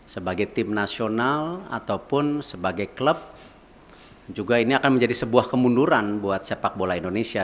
sebagai tim nasional ataupun sebagai klub juga ini akan menjadi sebuah kemunduran buat sepak bola indonesia